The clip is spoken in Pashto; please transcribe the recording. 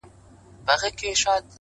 چي څه وکړم- لوټمارې ته ولاړه ده حيرانه-